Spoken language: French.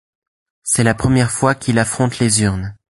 C'est la première fois qu'il affronte les urnes.